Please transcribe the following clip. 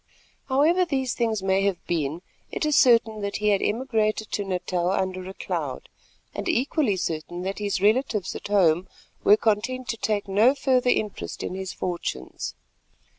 However these things may have been, it is certain that he had emigrated to Natal under a cloud, and equally certain that his relatives at home were content to take no further interest in his fortunes.